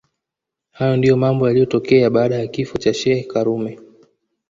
Hayo ndio mambo yaliyotokea baada ya kifo cha sheikh karume